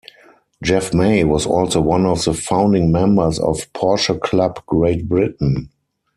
Jeff May was also one of the founding members of Porsche Club Great Britain.